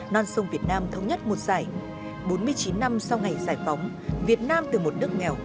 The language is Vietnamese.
non sông việt nam thống nhất một giải bốn mươi chín năm sau ngày giải phóng việt nam từ một nước nghèo